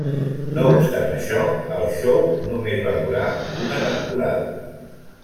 No obstant això, el xou només va durar una temporada.